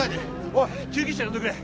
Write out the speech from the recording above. おい救急車呼んでくれ。